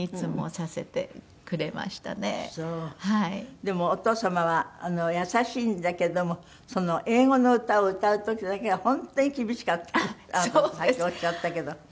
でもお父様は優しいんだけども英語の歌を歌う時だけは本当に厳しかったってあなたも最初おっしゃったけど。